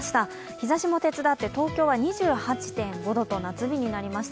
日ざしも手伝って東京は２８．５度と夏日になりました。